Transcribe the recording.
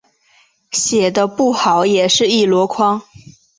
写的不好的也是一箩筐